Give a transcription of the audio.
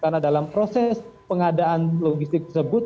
karena dalam proses pengadaan logistik tersebut